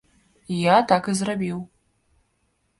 Я так і зрабіў.